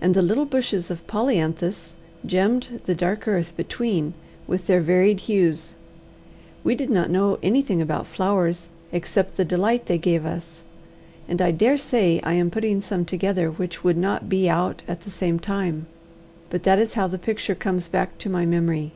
And the little bushes of polyanthus gemmed the dark earth between with their varied hues. We did not know anything about flowers except the delight they gave us, and I dare say I am putting some together which would not be out at the same time, but that is how the picture comes back to my memory.